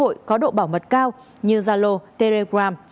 hội có độ bảo mật cao như zalo telegram